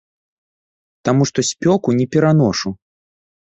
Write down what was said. Таму што спёку не пераношу.